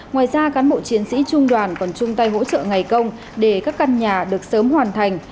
ngoài ra cán bộ chiến sĩ trung đoàn còn chung tay hỗ trợ ngày công để các căn nhà được sớm hoàn thành